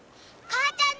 母ちゃんだ！